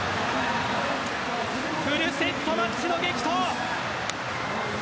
フルセットマッチの激闘。